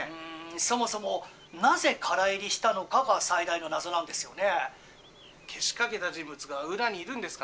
「そもそもなぜ唐入りしたのかが最大の謎なんですよね」。